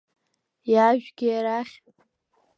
Иаажәги арахь!